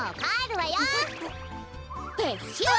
てっしゅう！